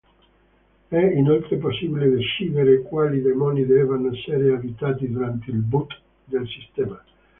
È inoltre possibile decidere quali demoni debbano essere avviati durante il boot del sistema.